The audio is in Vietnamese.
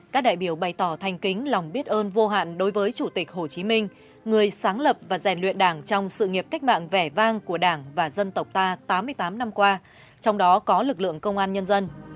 các đại biểu bày tỏ thành kính lòng biết ơn vô hạn đối với chủ tịch hồ chí minh người sáng lập và rèn luyện đảng trong sự nghiệp cách mạng vẻ vang của đảng và dân tộc ta tám mươi tám năm qua trong đó có lực lượng công an nhân dân